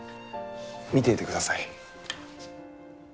見ていてください。